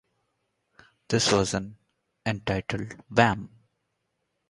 This version, entitled Wham!